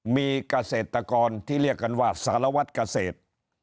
มีเกษตรกรที่เรียกกันว่าสารวัตรเกษตร